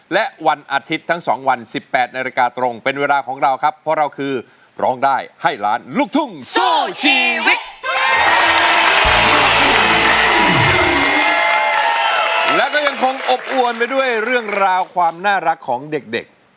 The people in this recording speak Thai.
และก็ยังคงอบอวนไปด้วยเรื่องราวความน่ารักของเด็ก